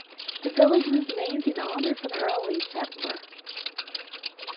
The village was named in honor of an early settler.